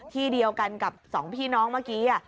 ที่เดียวกันกับสองพี่น้องเมื่อกี้